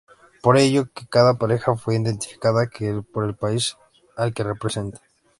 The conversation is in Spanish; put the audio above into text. Es por ello que cada pareja fue identificada por el país al que representa.